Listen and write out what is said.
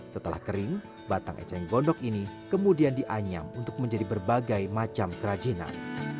setelah kering batang eceng gondok ini kemudian dianyam untuk menjadi berbagai macam kerajinan